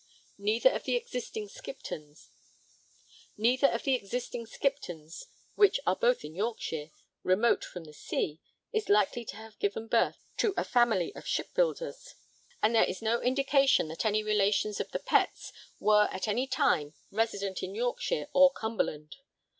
Neither of the existing Skiptons, which are both in Yorkshire, remote from the sea, is likely to have given birth to a family of shipbuilders; and there is no indication that any relations of the Petts were at any time resident in Yorkshire or Cumberland.